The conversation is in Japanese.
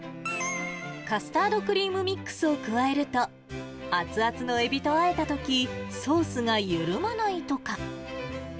カスタードクリームミックスを加えると、熱々のエビとあえたとき、ソースが緩まないとか。